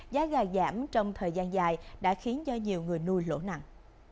giá gà giảm trong thời gian dài đã khiến cho nhiều người nuôi lỗ nặng